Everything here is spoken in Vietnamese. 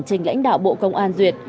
trình lãnh đạo bộ công an duyệt